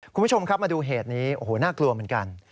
คุณผู้ชมครับมาดูเหตุนี้โอ้โหน่ากลัวเหมือนกัน